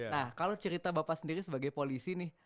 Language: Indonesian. nah kalau cerita bapak sendiri sebagai polisi nih